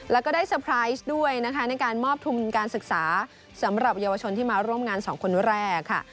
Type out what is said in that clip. แล้วก็ได้สปราร์ทด้วยในมอบทุนการศึกษาสำหรับเยาวชนที่มาร่วมงานสองคนนู้นแรกค่ะ